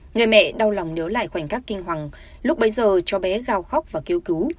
người mẹ đau lòng nhớ lại khoảnh khắc kinh hoàng lúc bấy giờ cháu bé gào khóc và kêu cứu